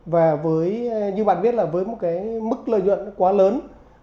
và với như bạn biết là với một cái mức lợi nhuận quá lớn